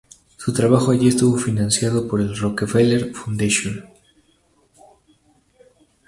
Su trabajo allí estuvo financiado por el Rockefeller Fundación.